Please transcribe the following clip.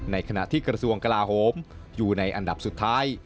ในขณะที่กระทรวงกลาโฮมอยู่ในอันดับสุดท้าย